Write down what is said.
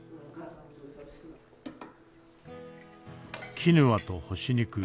キヌアと干し肉。